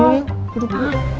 udah duduk sini aja dulu